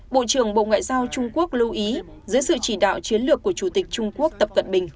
bộ trưởng bộ ngoại giao trung quốc lưu ý dưới sự chỉ đạo chiến lược của chủ tịch trung quốc tập cận bình